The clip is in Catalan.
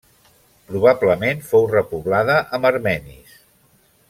Probablement, fou repoblada amb armenis.